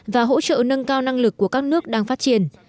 và hỗ trợ nâng cao năng lực của các nước đang phát triển